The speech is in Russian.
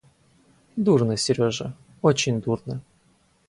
Дурно, Сережа, очень дурно.